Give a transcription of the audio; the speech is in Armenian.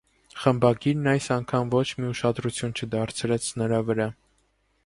Խմբագիրն այս անգամ ոչ մի ուշադրություն չդարձրեց նրա վրա: